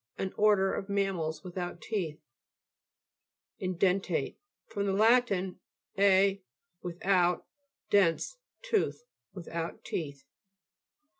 An order of mammals without teeth. EDE'NTATE fr. lat. e, without, dens, tooth. Without teeth.